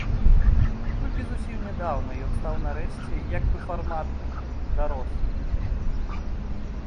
Толькі зусім нядаўна ён стаў нарэшце як бы фарматным, дарос.